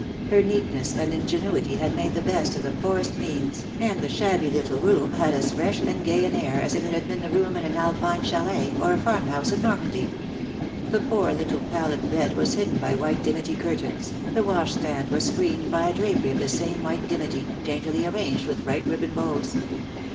Her neat ness and ingenuity had made the best of the poorest means, and the shabby little room had as fresh and gay an air as if it had been a room in an Alpine chalet, or a farmhouse in Normandy. The poor little pallet bed was hidden by white dimity curtains, the washstand was screened by a drapery of the same white dimity, daintily arranged with bright ribbon bows.